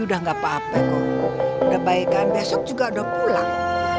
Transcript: udah gak apa apa kok udah baik kan besok juga udah pulang